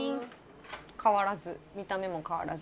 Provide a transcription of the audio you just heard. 変わらず見た目も変わらず。